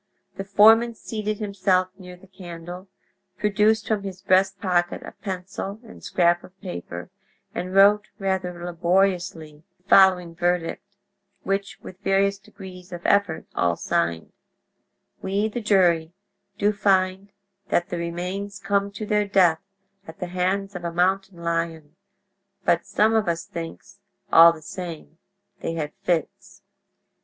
The foreman seated himself near the candle, produced from his breast pocket a pencil and scrap of paper, and wrote rather laboriously the following verdict, which with various degrees of effort all signed: "We, the jury, do find that the remains come to their death at the hands of a mountain lion, but some of us thinks, all the same, they had fits."